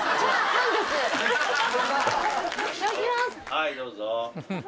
はいどうぞ。